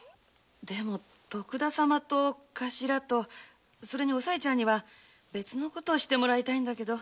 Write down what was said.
でも徳田様と頭とそれにおさいちゃんには別の事をしてもらいたいんだけど。